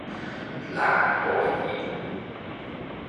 冷和熱